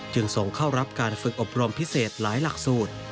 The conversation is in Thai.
จึงส่งเข้ารับการฝึกอบรมพิเศษหลายหลักสูตร